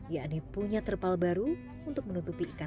ya dipunya terpal baru untuk menutupi ikan asin